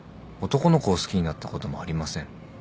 男の子を好きになったこともありません。